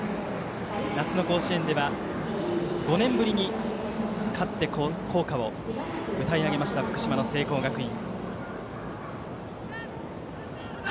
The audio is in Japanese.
夏の甲子園では、５年ぶりに勝って校歌を歌い上げました福島の聖光学院。